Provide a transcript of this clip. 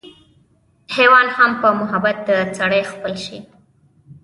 حېوان هم پۀ محبت د سړي خپل شي